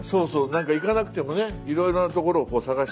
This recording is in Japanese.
なんか行かなくてもねいろいろなところをこう探して